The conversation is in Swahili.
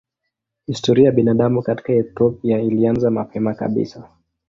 Historia ya binadamu katika Ethiopia ilianza mapema kabisa.